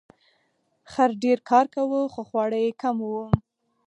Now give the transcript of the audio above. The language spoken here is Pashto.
خر ډیر کار کاوه خو خواړه یې کم وو.